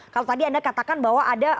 kalau tadi anda katakan bahwa ada